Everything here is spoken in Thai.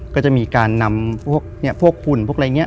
ก็จะมีการนำพวกเนี่ยพวกคุณพวกอะไรอย่างนี้